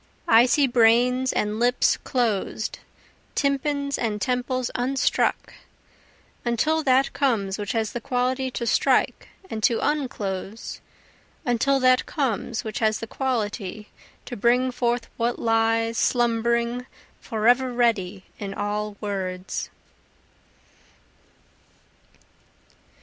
I see brains and lips closed, tympans and temples unstruck, Until that comes which has the quality to strike and to unclose, Until that comes which has the quality to bring forth what lies slumbering forever ready in all words.